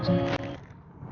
aku seneng banget